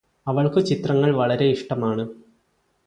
അവൾക്കു ചിത്രങ്ങൾ വളരെ ഇഷ്ടമാണ്